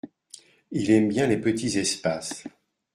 Il aime bien les petits espaces.